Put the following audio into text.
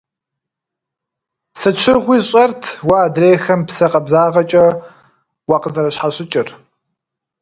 Сыт щыгъуи сщӀэрт уэ адрейхэм псэ къабзагъэкӀэ уакъызэрыщхьэщыкӀыр.